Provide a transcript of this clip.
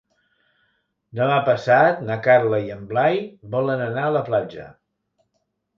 Demà passat na Carla i en Blai volen anar a la platja.